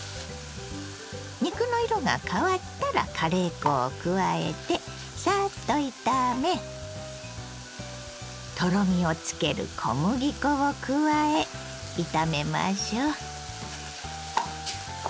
肉の色が変わったらカレー粉を加えてさっと炒めとろみをつける小麦粉を加え炒めましょう。